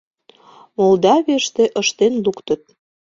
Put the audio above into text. Молдавийыште ыштен луктыт.